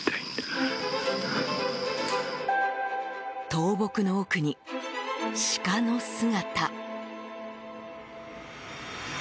倒木の奥にシカの姿。